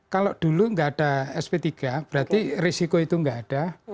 kalau dulu nggak ada sp tiga berarti risiko itu nggak ada